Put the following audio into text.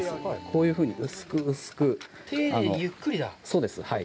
そうです、はい。